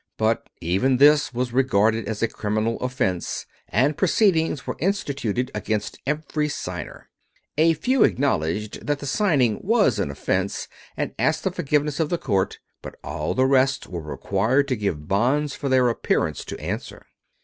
But even this was regarded as a criminal offense, and proceedings were instituted against every signer. A few acknowledged that the signing was an offense, and asked the forgiveness of the court, but all the rest were required to give bonds for their appearance to answer.